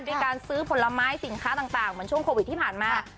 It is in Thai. การซื้อผลไม้สินค้าต่างเหมือนช่วงโควิดที่ผ่านมา